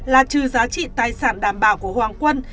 là trừ giá trị tài sản đảm bảo của hoàng quân